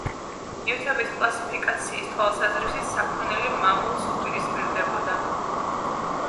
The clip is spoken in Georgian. ნივთების კლასიფიკაციის თვალსაზრისით საქონელი მამულს უპირისპირდებოდა.